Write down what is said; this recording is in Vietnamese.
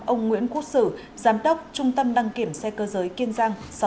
ông nguyễn quốc sử giám đốc trung tâm đăng kiểm xe cơ giới kiên giang sáu nghìn tám trăm linh một s